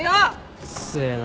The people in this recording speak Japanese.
うっせえな。